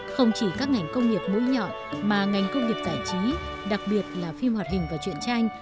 không chỉ các ngành công nghiệp mũi nhọn mà ngành công nghiệp giải trí đặc biệt là phim hoạt hình và chuyện tranh